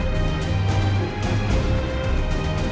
โปรดติดตามต่อไป